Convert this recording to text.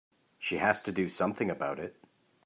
She has to do something about it.